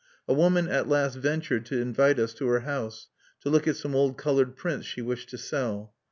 "A woman at last ventured to invite us to her house, to look at some old colored prints she wished to sell.